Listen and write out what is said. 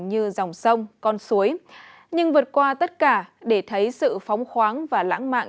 như dòng sông con suối nhưng vượt qua tất cả để thấy sự phóng khoáng và lãng mạn